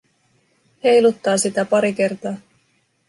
Heiluttaa sitä pari kertaa.